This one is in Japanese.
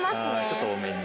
ちょっと多めに。